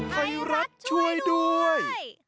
ไทยรัฐช่วยด้วย